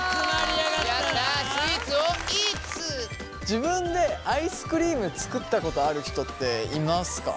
自分でアイスクリーム作ったことある人っていますか？